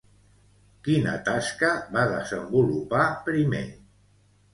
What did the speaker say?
Quina tasca va desenvolupar primer?